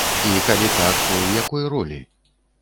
І калі так, то ў якой ролі?